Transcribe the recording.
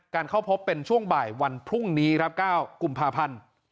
เข้าพบเป็นช่วงบ่ายวันพรุ่งนี้ครับ๙กุมภาพันธ์